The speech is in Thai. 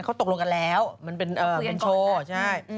เขาตกลงกันแล้วมันเป็นเงินโชว์ใช่